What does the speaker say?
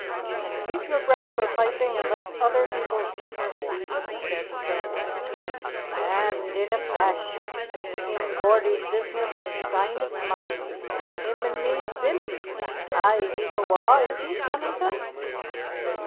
"Then keep your breath for piping and let other people's business be," he said sternly. "Man, dinna fash. It's King Geordie's business and syne it's mine. Him and me's billies. Ay, he's awa', is he, Flemington?"